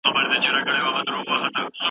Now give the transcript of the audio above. زیربغلي درنه نه وي.